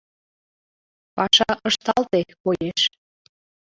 Паша ышталте, коеш.